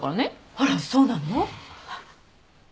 あらそうなの？